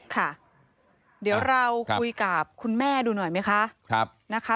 ค่ะเดี๋ยวเราคุยกับคุณแม่ดูหน่อยไหมคะนะคะ